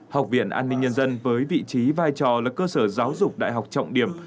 học viện an ninh nhân dân với vị trí vai trò là cơ sở giáo dục đại học trọng điểm